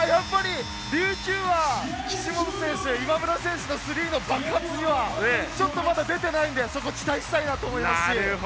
琉球は岸本選手、今村選手のスリーの爆発はまだ出てないので、そこを期待したいなと思いますし。